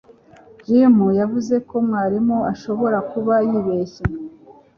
Jim yavuze ko mwarimu ashobora kuba yibeshye